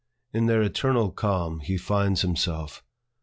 In their eternal calm, he finds himself.